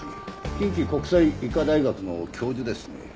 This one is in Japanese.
近畿国際医科大学の教授ですね。